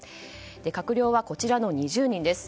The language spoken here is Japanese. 閣僚はこちらの２０人です。